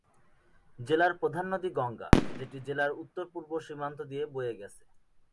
জেলার প্রধান নদী গঙ্গা, যেটি জেলার উত্তর-পূর্ব সীমান্ত দিয়ে বয়ে গেছে।